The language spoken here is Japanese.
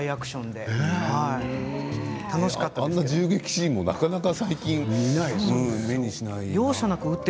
あんな銃撃シーンもなかなか目にしない。